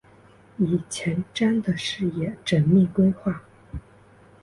以前瞻的视野缜密规划